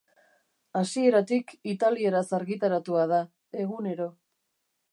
Hasieratik italieraz argitaratua da, egunero.